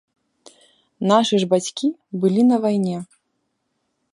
Нашы ж бацькі былі на вайне!